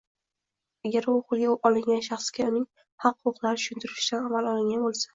agar u qo‘lga olingan shaxsga uning haq-huquqlari tushuntirilishidan avval olingan bo‘lsa